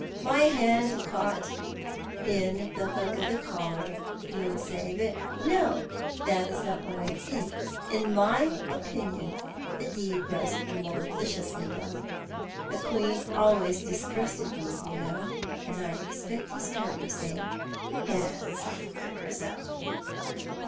My hand caught in the hook of the collar, you will say; but no, that is not what I think. In my opinion, the deed was maliciously done. McQueen always distrusted me, you know, and I expect his coat was saying, 'Hands off my Grizel.'"